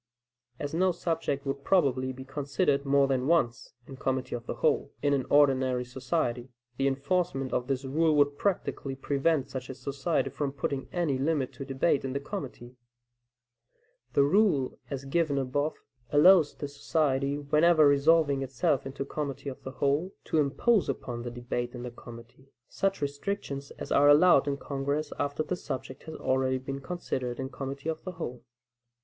As no subject would probably be considered more than once in committee of the whole, in an ordinary society, the enforcement of this rule would practically prevent such a society from putting any limit to debate in the committee. The rule as given above, allows the society, whenever resolving itself into committee of the whole, to impose upon the debate in the committee, such restrictions as are allowed in Congress after the subject has already been considered in committee of the whole.